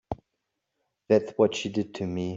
That's what she did to me.